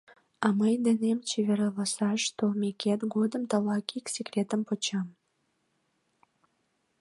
А мый денем чеверласаш толмекет годым тылат ик секретым почам.